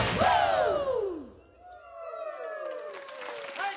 はい。